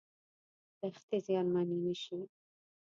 دښتې زیانمنې نشي.